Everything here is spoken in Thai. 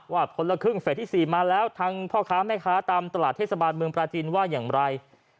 คนละครึ่งเฟสที่๔มาแล้วทางพ่อค้าแม่ค้าตามตลาดเทศบาลเมืองปราจินว่าอย่างไร